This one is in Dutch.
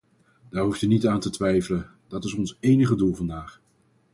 Daar hoeft u niet aan te twijfelen: dat is ons enige doel vandaag.